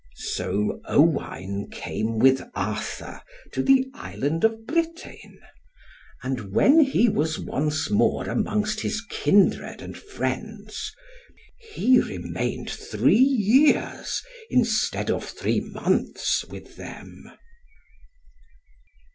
So Owain came with Arthur to the Island of Britain. And when he was once more amongst his kindred and friends, he remained three years, instead of three months, with them.